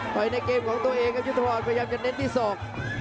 ในเกมของตัวเองครับยุทธพรพยายามจะเน้นที่ศอก